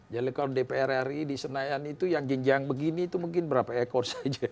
jadi kalau dpr ri di senayan itu yang genjang begini itu mungkin berapa ekor saja